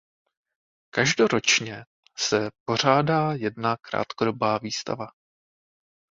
Každoročně se pořádá jedna krátkodobá výstava.